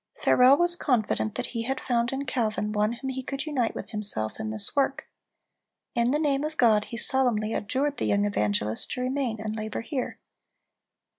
Farel was confident that he had found in Calvin one whom he could unite with himself in this work. In the name of God he solemnly adjured the young evangelist to remain and labor here.